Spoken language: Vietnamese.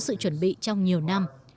cần có sự chuẩn bị trong nhiều năm